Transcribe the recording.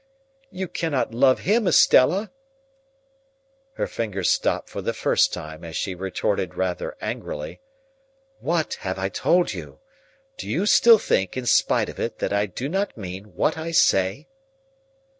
"You cannot love him, Estella!" Her fingers stopped for the first time, as she retorted rather angrily, "What have I told you? Do you still think, in spite of it, that I do not mean what I say?"